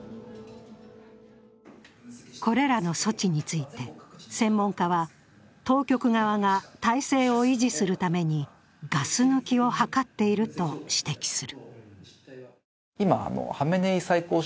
これらの措置について、専門家は当局側が体制を維持するためにガス抜きを図っていると指摘する。